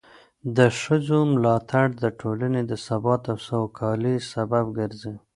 د ښځو ملاتړ د ټولنې د ثبات او سوکالۍ سبب ګرځي.